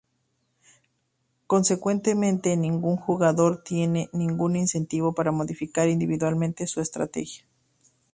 Consecuentemente, ningún jugador tiene ningún incentivo para modificar individualmente su estrategia.